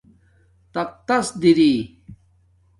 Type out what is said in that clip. تختس دری